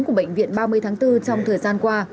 của bệnh viện ba mươi tháng bốn trong thời gian qua